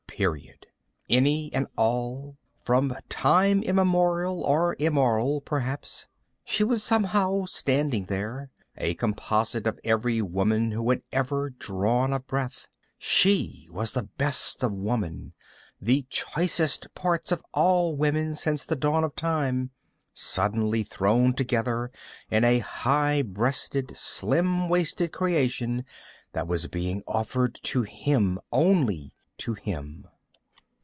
Period. Any and all, from time immemorial, or immoral, perhaps. She was somehow, standing there, a composite of every woman who had ever drawn a breath. She was the best of woman, the choicest parts of all women since the dawn of time, suddenly thrown together in a high breasted, slim waisted creation that was being offered to him, only to him.